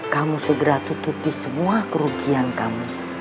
kamu segera tutupi semua kerugian kamu